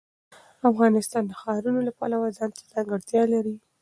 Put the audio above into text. افغانستان د ښارونه د پلوه ځانته ځانګړتیا لري.